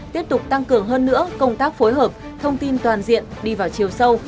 tiếp tục tăng cường hơn nữa công tác phối hợp thông tin toàn diện đi vào chiều sâu